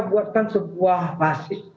membuatkan sebuah basis